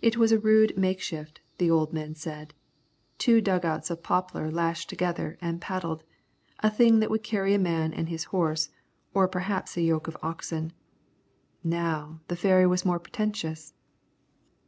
It was a rude makeshift, the old men said, two dugouts of poplar lashed together and paddled, a thing that would carry a man and his horse, or perhaps a yoke of oxen. Now, the ferry was more pretentious.